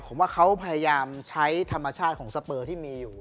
ผมว่าเขาพยายามใช้ธรรมชาติของสเปอร์ที่มีอยู่